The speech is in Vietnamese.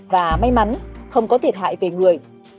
và may mắn không có thiệt hại về người